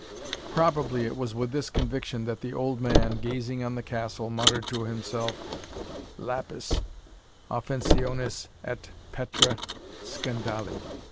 Probably it was with this conviction that the old man, gazing on the castle, muttered to himself, "_Lapis offensionis et petra scandali!